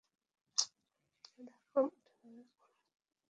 এরা একটানা অনেকক্ষণ ফুলের ওপর বসে মধু পান করে।